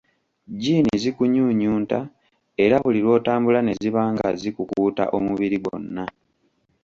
Jjiini zikunyunyunta era buli lw’otambula ne ziba nga zikukuuta omubiri gwonna.